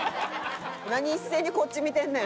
「何一斉にこっち見てんねん」